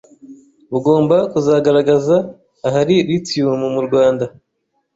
bugomba kuzagaragaza ahari Lithium mu Rwanda